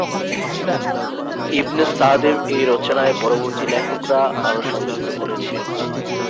ইবনে Sa'd এর এই রচনায় পরবর্তী লেখকরা আরো সংযুক্ত করেছে।